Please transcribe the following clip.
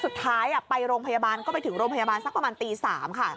สุดท้ายไปโรงพยาบาลก็ไปถึงโรงพยาบาลสักประมาณตี๓ค่ะ